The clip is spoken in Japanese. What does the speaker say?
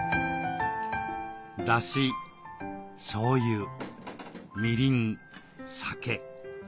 だししょうゆみりん酒。